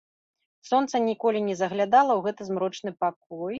Сонца ніколі не заглядала ў гэты змрочны пакой.